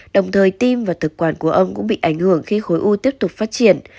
đồng thời tim và thực quản của ông cũng bị ảnh hưởng khi khối u tiếp tục phát triển